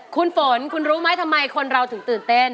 คุณฝนคุณรู้ไหมทำไมคนเราถึงตื่นเต้น